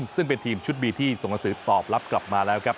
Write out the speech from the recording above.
ซึ่งเป็นทีมชุดบีที่ส่งหนังสือตอบรับกลับมาแล้วครับ